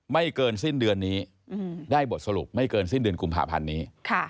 ไม่เกินสิ้นเดือนนี้ได้บทสรุปกลุ่มผ่าพันธ์นี้